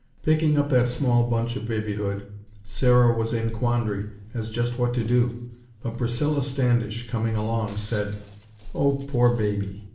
Picking up that small bunch of babyhood, Sarah was in quandary as just what to do; but Priscilla Standish, coming along, said: "Oh! Poor baby!!